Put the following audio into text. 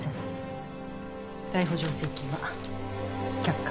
逮捕状請求は却下。